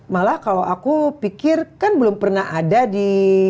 malah kalau aku pikir kan belum pernah ada di